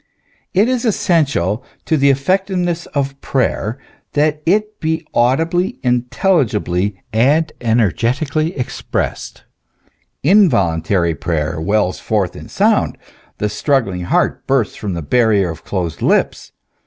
It is essential to the effectiveness of prayer that it be audibly, intelligibly, energeti cally expressed. Involuntarily prayer wells forth in sound ; the struggling heart bursts the barrier of the closed lips.